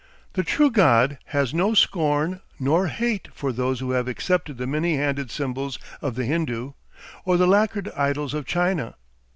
The True God has no scorn nor hate for those who have accepted the many handed symbols of the Hindu or the lacquered idols of China.